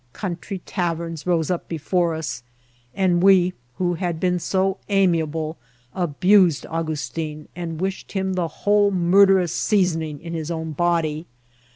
Country taverns rose up before us ; and we, who had been so amiable, abused A\igU8tin, and wished him the whole murderous seasoning in his own body.